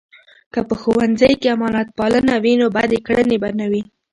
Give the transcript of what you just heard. که په ښوونځۍ کې امانتپالنه وي، نو بدې کړنې به نه وي.